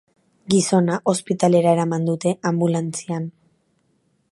Gizona ospitalera eraman dute anbulantzian.